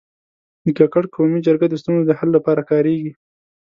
د کاکړ قومي جرګه د ستونزو د حل لپاره کارېږي.